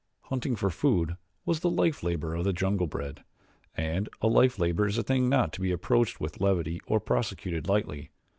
Hunting for food was the life labor of the jungle bred, and a life labor is a thing not to be approached with levity nor prosecuted lightly.